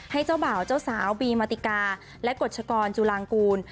เจ้าบ่าวเจ้าสาวบีมาติกาและกฎชกรจุลางกูล